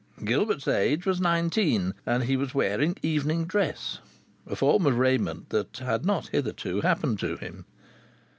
Gilbert's age was nineteen, and he was wearing evening dress, a form of raiment that had not hitherto happened to him.